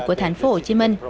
của thành phố hồ chí minh